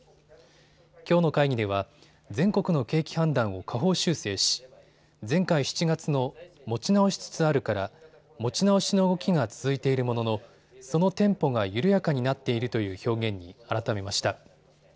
きょうの会議では全国の景気判断を下方修正し前回、７月の持ち直しつつあるから持ち直しの動きが続いているもののそのテンポが緩やかになっているという表現に改めました。